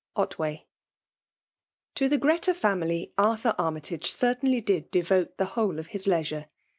ft To the Greta family, Arthur Armyfage eer« tainly did devote the whole of his leisure.